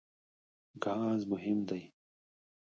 ګاز مهم دی.